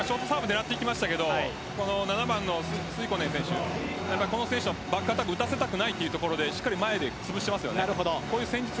狙っていきましたけど７番のスイヒコネン選手はバックアタック打たせたくないというところしっかり前でつぶしていますよね。